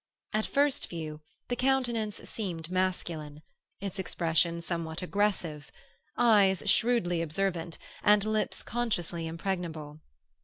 At first view the countenance seemed masculine, its expression somewhat aggressive—eyes shrewdly observant and lips consciously impregnable.